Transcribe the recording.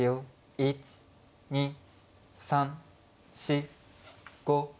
１２３４５６７。